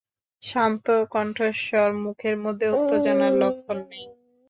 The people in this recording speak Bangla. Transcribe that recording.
শান্ত কণ্ঠস্বর, মুখের মধ্যে উত্তেজনার লক্ষণ নেই।